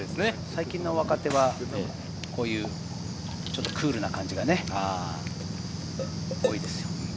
最近の若手はこういうクールな感じが多いですよ。